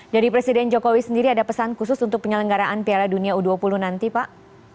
jadi presiden jokowi sendiri ada pesan khusus untuk penyelenggaraan piala dunia u dua puluh nanti pak